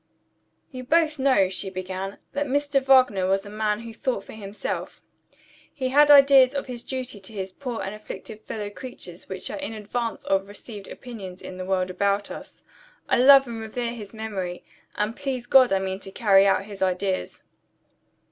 "You both know," she began, "that Mr. Wagner was a man who thought for himself. He had ideas of his duty to his poor and afflicted fellow creatures which are in advance of received opinions in the world about us. I love and revere his memory and (please God) I mean to carry out his ideas."